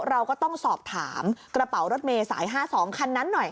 เราก็ต้องสอบถามกระเป๋ารถเมย์สาย๕๒คันนั้นหน่อย